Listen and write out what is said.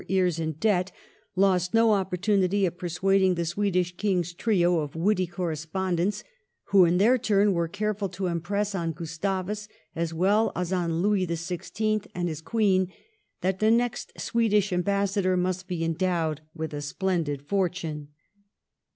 over ears in debt, lost no opportunity of persuad ing the Swedish King's trio of witty correspon dents, who in their turn were careful to impress on Gustavus, as well as on Louis XVI. and his Queen, that the next Swedish ambassador must be endowed with a splendid fortune.